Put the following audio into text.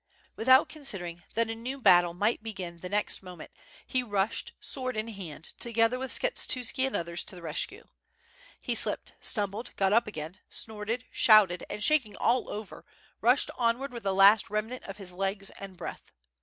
Without considering that a new battle might begin the next moment, he rushed sword in hand, together with Skshetuski and others, to the rescue. He slipped, stumbled, got up again, snorted, shouted, and shaking all over, rushed onward with the last remnant of his legs and breath.